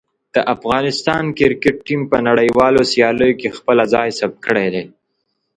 د افغانستان کرکټ ټیم په نړیوالو سیالیو کې خپله ځای ثبت کړی دی.